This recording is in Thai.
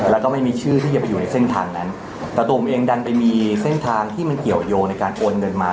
แล้วก็ไม่มีชื่อที่จะไปอยู่ในเส้นทางนั้นแต่ตูมเองดันไปมีเส้นทางที่มันเกี่ยวยงในการโอนเงินมา